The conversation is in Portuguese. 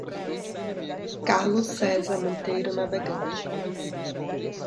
Carlos Cesar Monteiro Navegante